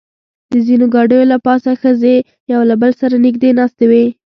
د ځینو ګاډیو له پاسه ښځې یو له بل سره نږدې ناستې وې.